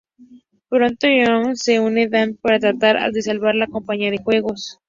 Pronto Yeon-hwa se une a Dan-te para tratar de salvar la compañía de juegos.